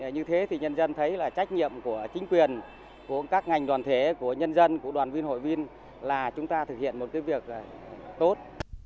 như thế thì nhân dân thấy là trách nhiệm của chính quyền của các ngành đoàn thể của nhân dân của đoàn viên hội viên là chúng ta thực hiện một việc tốt